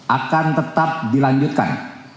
akan tetap dilanjutkan